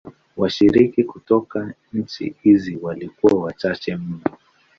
Washiriki kutoka nchi hizi walikuwa wachache mno.